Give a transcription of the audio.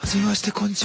こんにちは。